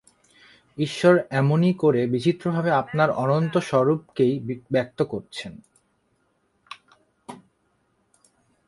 ঈশ্বর এমনি করে বিচিত্র ভাবে আপনার অনন্ত স্বরূপকেই ব্যক্ত করছেন।